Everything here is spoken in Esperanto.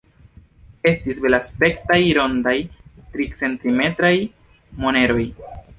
Estis belaspektaj rondaj, tricentimetraj moneroj.